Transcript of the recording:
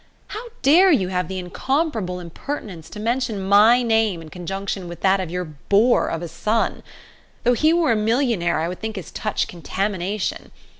How dare you have the incomparable impertinence to mention my name in conjunction with that of your boor of a son. Though he were a millionaire I would think his touch contamination.